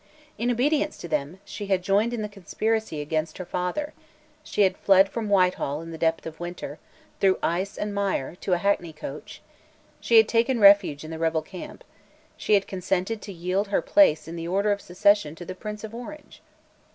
In obedience to them, she had joined in the conspiracy against her father; she had fled from Whitehall in the depth of winter, through ice and mire, to a hackney coach; she had taken refuge in the rebel camp; she had consented to yield her place in the order of succession to the Prince of Orange.